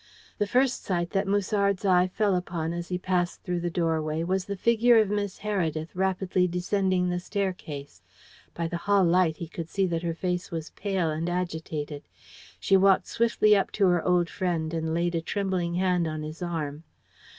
The first sight that Musard's eye fell upon as he passed through the doorway was the figure of Miss Heredith, rapidly descending the staircase. By the hall light he could see that her face was pale and agitated. She walked swiftly up to her old friend, and laid a trembling hand on his arm.